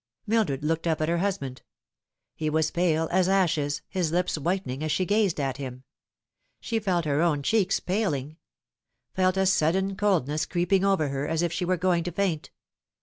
Mildred looked up at her husband. He was pale as ashes, hifl lips whitening as she gazed at him. She felt her own cheeks paling ; felt a sudden coldness creeping over her, as if she were going to faint.